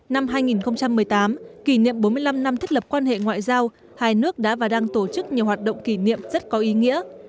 năm hai nghìn một mươi tám kỷ niệm bốn mươi năm năm thiết lập quan hệ ngoại giao hai nước đã và đang tổ chức nhiều hoạt động kỷ niệm rất có ý nghĩa